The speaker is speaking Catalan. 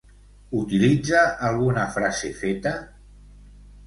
Utilitza alguna frase feta?